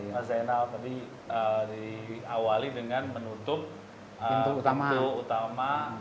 mas zainal tadi diawali dengan menutup pintu utama dari bank penampungannya